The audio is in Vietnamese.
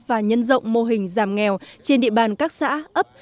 và nhân rộng mô hình giảm nghèo trên địa bàn các xã ấp